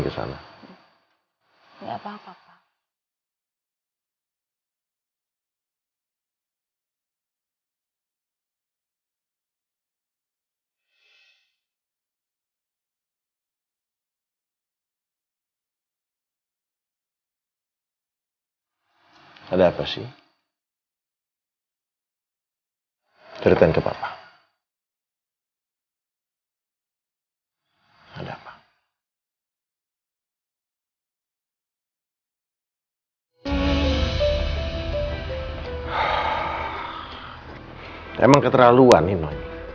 gue sakit perutnya nih ya